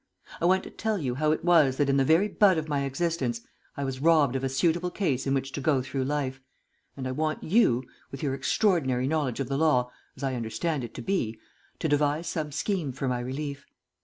I want to tell you how it was that in the very bud of my existence I was robbed of a suitable case in which to go through life, and I want you, with your extraordinary knowledge of the law, as I understand it to be, to devise some scheme for my relief.